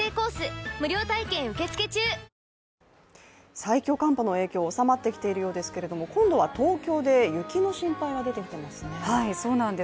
最強寒波の影響、収まってきているようですけど今度は東京で雪の心配が出てきていますね。